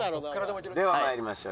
では参りましょう。